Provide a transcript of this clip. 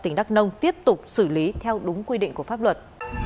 tỉnh đắk nông tiếp tục xử lý theo đúng quy định của pháp luật